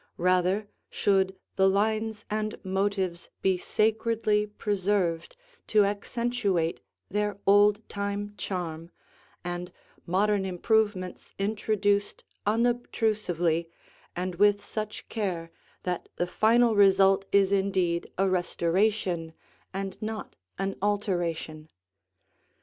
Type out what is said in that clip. Rather should the lines and motives be sacredly preserved to accentuate their old time charm, and modern improvements introduced unobtrusively and with such care that the final result is indeed a restoration and not an alteration.